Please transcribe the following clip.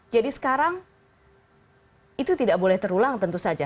jadi sekarang itu tidak boleh terulang tentu saja